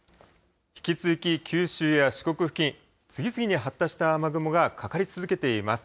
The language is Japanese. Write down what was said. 引き続き九州や四国付近、次々に発達した雨雲がかかり続けています。